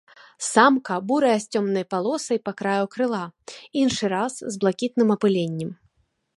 Самка бурая з цёмнай палосай па краю крыла, іншы раз з блакітным апыленнем.